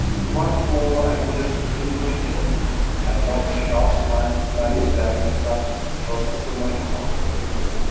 Once more I would have screamed with joy had not a sharp pang, like a dagger thrust, shot through my heart.